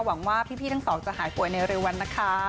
หวังว่าพี่ทั้งสองจะหายป่วยในเร็ววันนะคะ